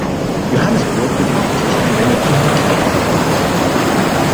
Johannesburg wird hoffentlich einen Wendepunkt markieren.